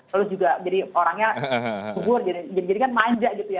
terus juga jadi orangnya kubur jadi kan manja gitu ya